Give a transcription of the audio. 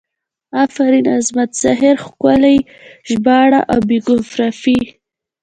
افرین عصمت زهیر ښکلي ژباړه او بیوګرافي